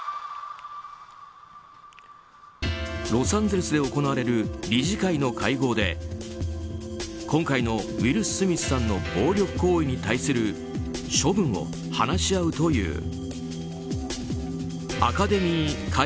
ロサンゼルスで行われる理事会の会合で今回のウィル・スミスさんの暴力行為に対する処分を話し合うという。